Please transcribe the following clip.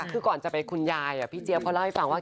คือก่อนจะไปคุณหยายอ่ะพี่เจี๊ยบก็เล่าให้ฟังาว